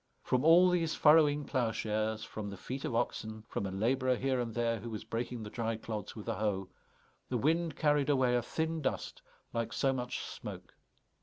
From all these furrowing ploughshares, from the feet of oxen, from a labourer here and there who was breaking the dry clods with a hoe, the wind carried away a thin dust like so much smoke.